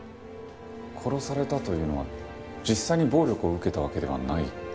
殺されたというのは実際に暴力を受けたわけではない？